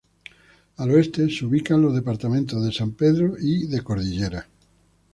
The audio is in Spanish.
Al oeste se ubican los departamentos de San Pedro y de Cordillera.